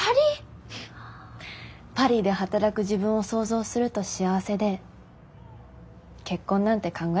パリで働く自分を想像すると幸せで結婚なんて考えもしなかった。